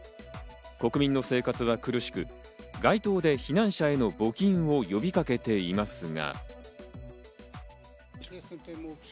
国民の生活は苦しく、街頭で避難者への募金を呼びかけていますが。